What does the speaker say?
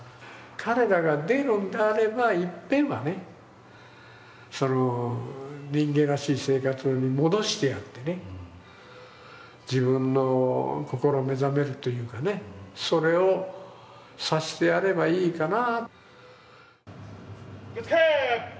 彼が出るんであれば一遍は人間らしい生活に戻してやって自分の心目覚めるというか、それをさせてやればいいかな。